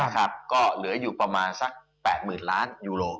ก็เหลืออยู่ประมาณสัก๘๐๐๐ล้านยูโร